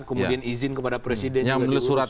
kemudian izin kepada presiden yang diurus